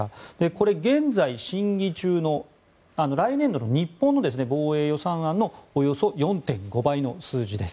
これは現在、審議中の来年度の日本の防衛予算案のおよそ４．５倍の数字です。